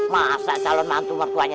masa calon mantu mertuanya